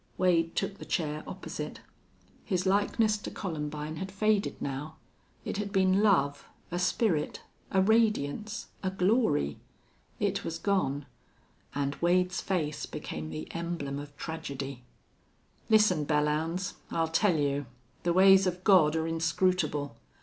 Wade took the chair opposite. His likeness to Columbine had faded now. It had been love, a spirit, a radiance, a glory. It was gone. And Wade's face became the emblem of tragedy. "Listen, Belllounds. I'll tell you!... The ways of God are inscrutable.